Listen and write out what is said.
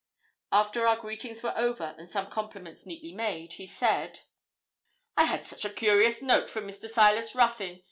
After our greetings were over, and some compliments neatly made, he said 'I had such a curious note from Mr. Silas Ruthyn.